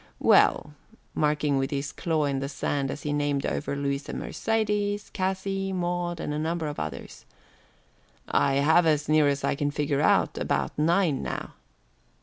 "Well," marking with his claws in the sand as he named over Louisa Mercedes, Cassie, Maud, and a number of others. "I have, as near as I can figure it, about nine now."